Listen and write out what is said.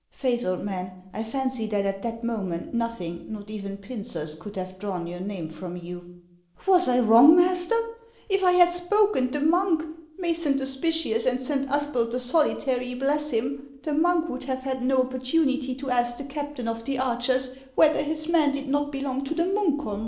" Faith, old man, T fancy that at that moment nothing, not even pincers, could have drawn your name from you." HANS OF ICELAND. 177 " Was I wrong, master ? If I bad spoken, the monk, — may Saint Hospitius, and Saint Usbald the Solitary, bless him !— the monk would have had no opportunity to ask the captain of the archers whether his men did not be long to the Munkholm